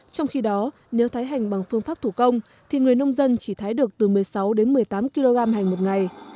trong khi đó nếu thái hành bằng phương pháp thủ công thì người nông dân chỉ thái được từ một mươi sáu đến một mươi tám kg hành một ngày